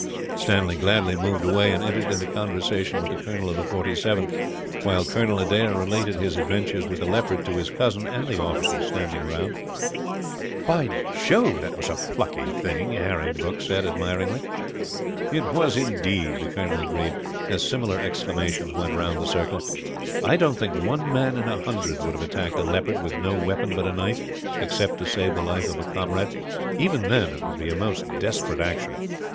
Stanley gladly moved away, and entered into conversation with the colonel of the 47th; while Colonel Adair related his adventures with the leopard to his cousin, and the officers standing round. "By Jove, that was a plucky thing!" Harry Brooke said, admiringly. "It was, indeed!" the colonel agreed, as similar exclamations went round the circle. "I don't think one man in a hundred would have attacked a leopard with no weapon but a knife, except to save the life of a comrade; even then, it would be a most desperate action.